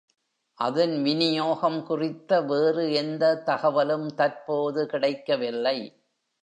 அதன் விநியோகம் குறித்த வேறு எந்த தகவலும் தற்போது கிடைக்கவில்லை.